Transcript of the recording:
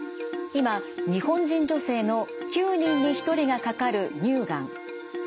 今日本人女性の９人に１人がかかる乳がん。